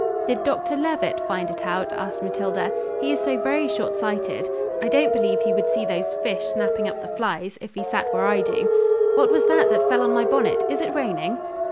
"Did Dr Levitt find it out?" asked Matilda: "he is so very short sighted! I don't believe he would see those fish snapping up the flies, if he sat where I do. What was that that fell on my bonnet? Is it raining?"